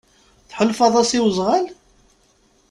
Tḥulfaḍ-as i wezɣal?